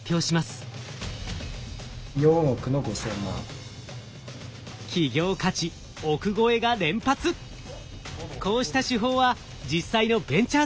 こうした手法は実際のベンチャー投資と同じ。